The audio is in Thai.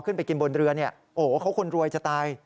ขึ้นไปกินบนเรือเขาคนรวยจะตาย